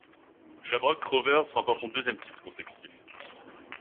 Shamrock Rovers remporte son deuxième titre consécutif.